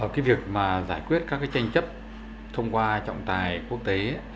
cái việc mà giải quyết các cái tranh chấp thông qua trọng tài quốc tế